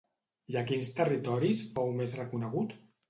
I a quins territoris fou més reconegut?